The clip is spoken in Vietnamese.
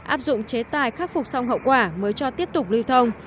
áp dụng chế tài khắc phục xong hậu quả mới cho tiếp tục lưu thông